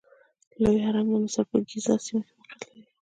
لوی هرم د مصر په ګیزا سیمه کې موقعیت لري.